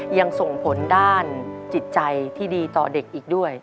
ยังส่งผลด้านจิตใจที่ดีต่อเด็กอีกด้วย